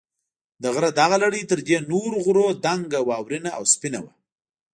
د غره دغه لړۍ تر دې نورو غرونو دنګه، واورینه او سپینه وه.